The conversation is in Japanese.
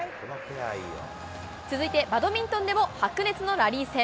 続いてバドミントンでも白熱のラリー戦。